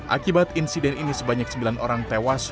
akibat insiden ini sebanyak sembilan orang tewas